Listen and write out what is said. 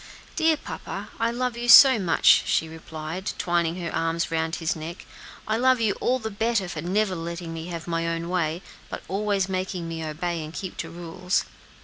"Dear papa, I love you so much!" she replied, twining her arms around his neck, "I love you all the better for never letting me have my own way, but always making me obey and keep to rules."